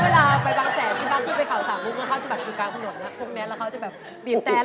ได้อยู่แล้ว